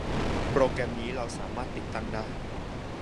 โปรแกรมนี้ เราสามารถติดตั้งได้